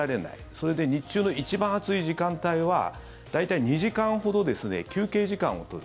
それで、日中の一番暑い時間帯は大体２時間ほど休憩時間を取る。